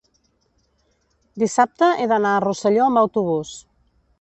dissabte he d'anar a Rosselló amb autobús.